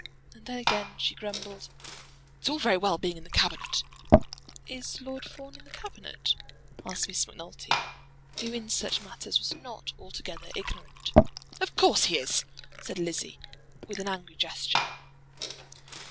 And then again she grumbled. "It's all very well being in the Cabinet !" "Is Lord Fawn in the Cabinet?" asked Miss Macnulty, who in such matters was not altogether ignorant. "Of course he is," said Lizzie, with an angry gesture.